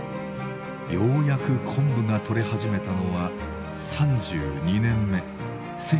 ようやく昆布が採れ始めたのは３２年目１９８５年でした。